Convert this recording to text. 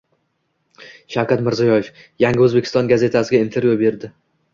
Shavkat Mirziyoyev “Yangi O‘zbekiston” gazetasiga intervyu berdi